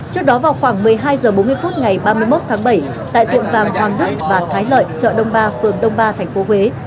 trước đó vào khoảng một mươi hai h bốn mươi phút ngày ba mươi một tháng bảy tại tiệm vàng hoàng đức và thái lợi chợ đông ba phường đông ba tp huế